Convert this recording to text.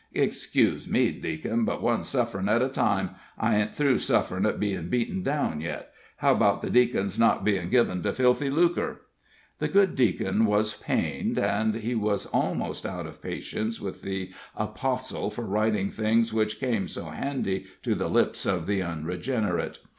'" "'Xcuse me, Deac'n, but one sufferin' at a time; I ain't through sufferin' at bein' beaten down yet. How about deac'ns not being 'given to filthy lucre?'" The good Deacon was pained, and he was almost out of patience with the apostle for writing things which came so handy to the lips of the unregenerate.